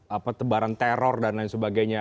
apa tebaran teror dan lain sebagainya